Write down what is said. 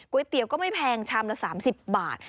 ก๋วยเตี๋ยวก็ไม่แพงชำละ๓๐บาท